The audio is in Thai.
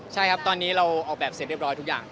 ใช่ครับตอนนี้เราออกแบบเสร็จเรียบร้อยทุกอย่าง